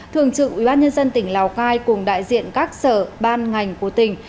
thường trực ubnd tỉnh lào cai cùng đại diện các sở ban ngành của tỉnh